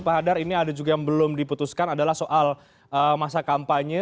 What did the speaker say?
pak hadar ini ada juga yang belum diputuskan adalah soal masa kampanye